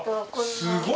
すごい。